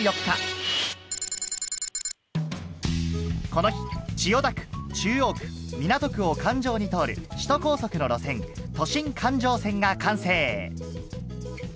この日千代田区中央区港区を環状に通る首都高速の路線中でもそれは。